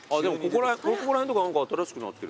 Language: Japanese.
ここら辺とか新しくなってるな。